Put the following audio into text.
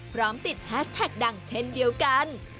พร้อมติดแฮชแท็กดังเช่นเดียวกัน